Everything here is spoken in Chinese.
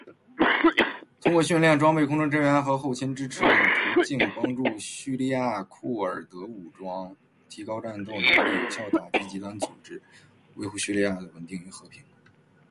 总之，美军支持叙利亚库尔德武装的方式多种多样，通过训练、装备、空中支持和后勤支持等途径，帮助叙利亚库尔德武装提高战斗能力，有效打击极端组织，维护叙利亚的稳定与和平。